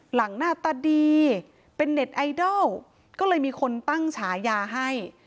หน้าตาดีเป็นเน็ตไอดอลก็เลยมีคนตั้งฉายาให้